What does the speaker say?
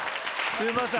すいません。